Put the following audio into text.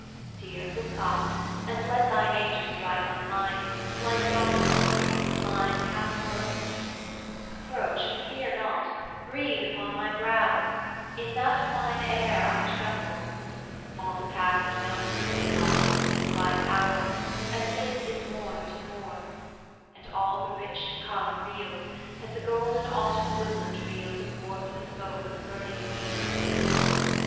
Dear, Look up, and let thy nature strike on mine, Like yonder morning on the blind half world; Approach and fear not; breathe upon my brows; In that fine air I tremble, all the past Melts mist like into this bright hour, and this Is morn to more, and all the rich to come Reels, as the golden Autumn woodland reels Athwart the smoke of burning weeds.